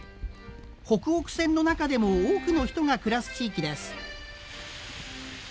ほくほく線の中でも多くの人が暮らす地域です。